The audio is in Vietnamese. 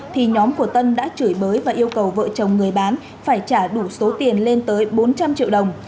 thì nhóm của tân đã chửi bới và yêu cầu vợ chồng người bán phải trả đủ số tiền lên tới bốn trăm linh triệu đồng